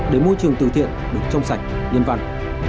để môi trường từ thiện được trong sạch nhân văn